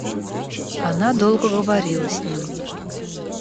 Она долго говорила с ним.